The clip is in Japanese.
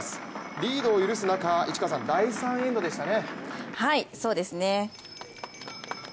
リードを許す中、第３エンドでしたね。